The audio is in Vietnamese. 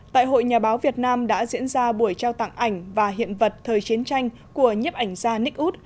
tại hội nhà báo việt nam đã diễn ra buổi trao tặng ảnh và hiện vật thời chiến tranh của nhiếp ảnh gia nick wood